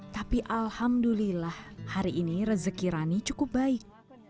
tapi alhamdulillah hari ini rezeki rani cukup baik